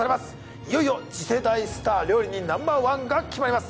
いよいよ次世代スター料理人ナンバー１が決まります。